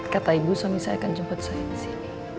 kata ibu suami saya akan jemput saya disini